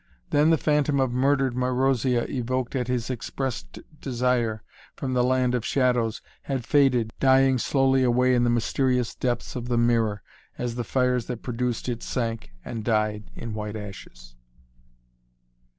Then the phantom of murdered Marozia, evoked at his expressed desire from the land of shadows, had faded, dying slowly away in the mysterious depths of the mirror, as the fires that produced it sank and died in white ashes.